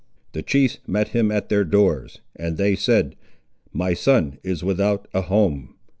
The chiefs met him at their doors, and they said, My son is without a home.